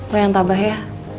roy yang tabah ya